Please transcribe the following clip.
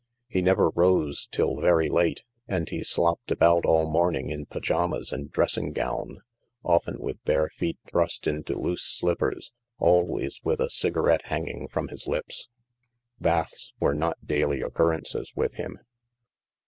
He never rose till very late, and he slopped about all morning in pajamas and dressing gown — often with bare feet thrust into loose slippers, always with a cigarette hanging from his lips. Baths were not daily occurrences with him.